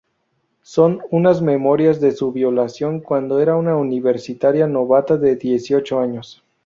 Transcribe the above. Son unas memorias de su violación cuando era una universitaria novata de dieciocho años.